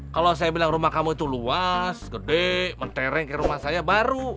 kalau saya bilang rumah kamu itu luas gede mentereng ke rumah saya baru